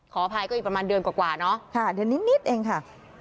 ขออภัยก็อีกประมาณเดือนกว่าเนอะเดือนนิดเองค่ะ